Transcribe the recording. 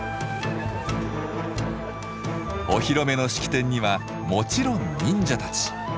お披露目の式典にはもちろん忍者たち。